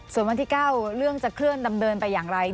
ส่วนวันที่๙เรื่องจะเคลื่อนดำเนินไปอย่างไร